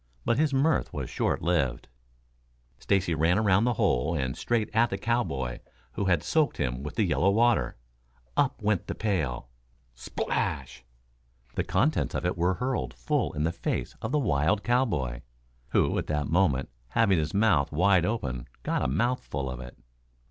But his mirth was short lived. Stacy ran around the hole and straight at the cowboy who had soaked him with the yellow water. Up went the pail. Splash! The contents of it were hurled full in the face of the wild cowboy, who at that moment, having his mouth wide open, got a mouthful of it.